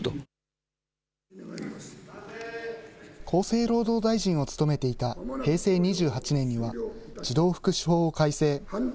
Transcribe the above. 厚生労働大臣を務めていた平成２８年には、児童福祉法を改正。